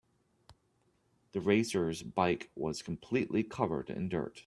The racers bike was completely covered in dirt.